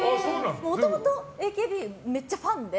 もともと、ＡＫＢめっちゃファンで。